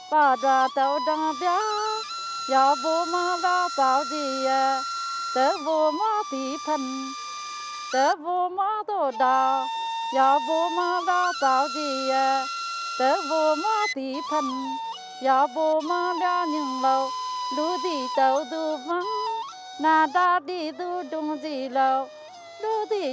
hãy đăng kí cho kênh lalaschool để không bỏ lỡ những video hấp dẫn